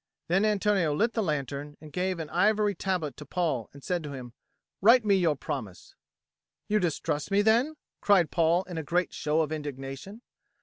Then Antonio lit the lantern and gave an ivory tablet to Paul and said to him, "Write me your promise." "You distrust me, then?" cried Paul in a great show of indignation.